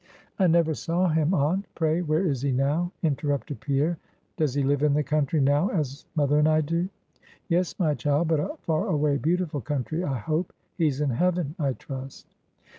"I never saw him, aunt; pray, where is he now?" interrupted Pierre; "does he live in the country, now, as mother and I do?" "Yes, my child; but a far away, beautiful country, I hope; he's in heaven, I trust."